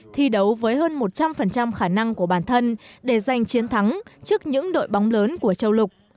thi đấu với hơn một trăm linh khả năng của bản thân để giành chiến thắng trước những đội bóng lớn của châu lục